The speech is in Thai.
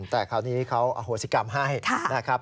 แต่คราวนี้เขาอโหสิกรรมให้นะครับ